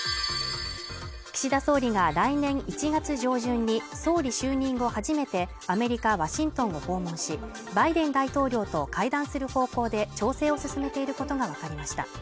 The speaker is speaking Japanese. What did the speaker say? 岸田総理が来年１月上旬に総理就任後初めてアメリカ・ワシントンを訪問しバイデン大統領と会談する方向で調整を進めていることが分かりました